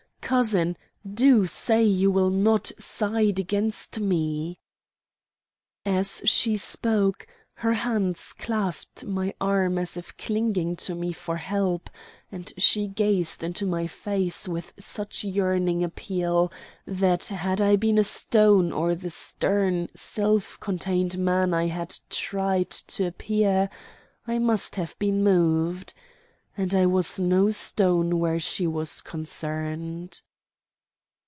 Cousin, do say you will not side against me!" As she spoke her hands clasped my arm as if clinging to me for help, and she gazed into my face with such yearning appeal that had I been a stone, or the stern, self contained man I had tried to appear, I must have been moved. And I was no stone where she was concerned.